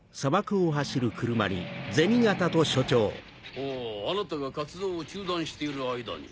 ほうあなたが活動を中断している間に？